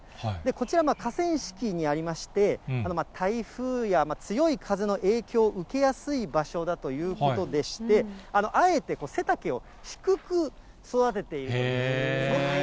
こちら、河川敷にありまして、台風や強い風の影響を受けやすい場所だということでして、あえて背丈を低く育てているんですね。